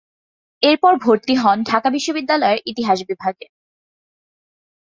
এরপর ভর্তি হন ঢাকা বিশ্ববিদ্যালয়ের ইতিহাস বিভাগে।